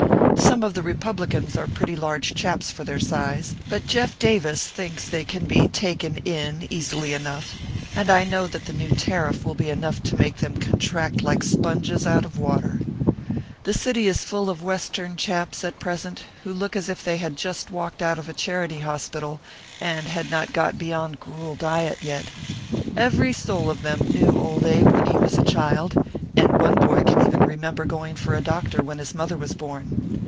Some of the republicans are pretty large chaps for their size, but Jeff Davis thinks they can be " taken in" easily enough and I know that the new tariff will be enough to make them contract like sponges out of water. The city is full of Western chaps, at pres ent, who look as if they had just walked out of a charity hospital, and had not got beyond gruel diet yet. Every soul of them knew old Abe when he was a child, and one old boy can even remember going for a doctor when his mother was born.